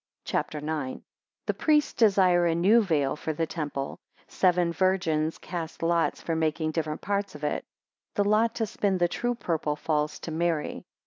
CHAPTER IX. 1 The priests desire a new veil for the temple, 3 seven virgins cast lots for making different parts of it, 4 the lot to spin the true purple falls to Mary.